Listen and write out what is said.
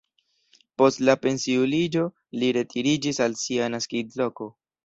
Post la pensiuliĝo li retiriĝis al sia naskiĝloko.